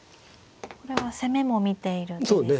これは攻めも見ている手ですね。